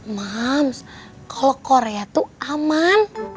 ma kalau korea tuh aman